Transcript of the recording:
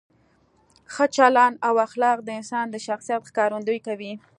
ښه چلند او اخلاق د انسان د شخصیت ښکارندویي کوي.